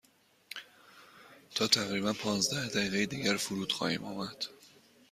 تا تقریبا پانزده دقیقه دیگر فرود خواهیم آمد.